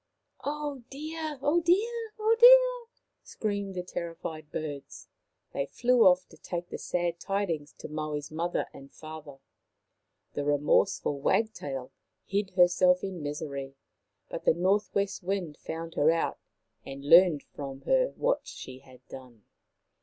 Oh, dear ! oh, dear ! oh, dear I " screamed the terrified birds. They flew off to take the sad tidings to Maui's mother and father. The remorseful wagtail hid herself in misery, but the North west Wind found her out and learned from her what she had done.